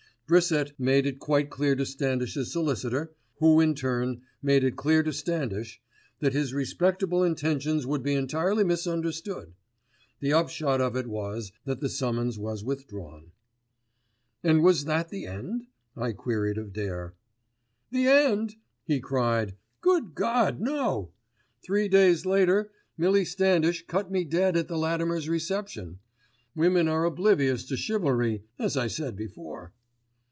Brissett made it quite clear to Standish's solicitor, who in turn made it clear to Standish, that his respectable intentions would be entirely misunderstood. The upshot of it was that the summons was withdrawn. "And was that the end?" I queried of Dare. "The end?" he cried. "Good God, no! Three days later Millie Standish cut me dead at the Latimer's reception. Women are oblivious to chivalry as I said before."